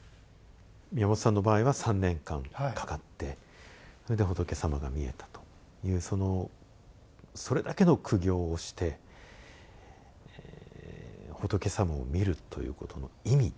宮本さんの場合は３年間かかってそれで仏様が見えたというそのそれだけの苦行をして仏様を見るということの意味ですね。